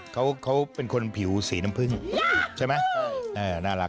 เขาเป็นคนผิวสีน้ำผึ้งใช่ไหมน่ารัก